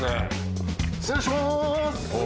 失礼しまーす！